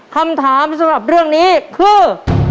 คำถามสำหรับเรื่องนี้คือ